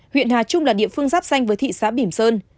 huyện hà trung là địa phương giáp danh với thị xã bỉm sơn